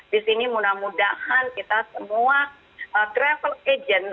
di sini mudah mudahan kita semua travel agent